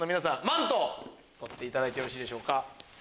マントを取っていただいてよろしいでしょうか。